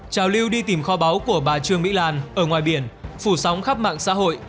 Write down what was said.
trào lưu đi tìm kho báu của bà trương mỹ lan ở ngoài biển phủ sóng khắp mạng xã hội